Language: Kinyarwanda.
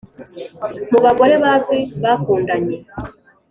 mu bagore bazwi bakundanye